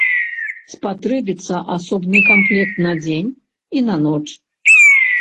Спатрэбіцца асобны камплект на дзень і на ноч.